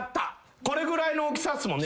これぐらいの大きさっすもんね